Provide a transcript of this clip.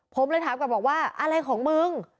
ผมเลยถามกลับบอกว่าอะไรของมึง